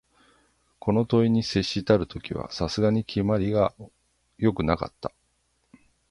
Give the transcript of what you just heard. この問に接したる時は、さすがに決まりが善くはなかった